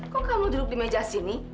kok kamu duduk di meja sini